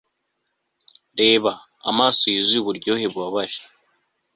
reba, amaso yuzuye uburyohe bubabaje